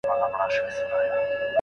پلار به زوی ته څه ورکړي؟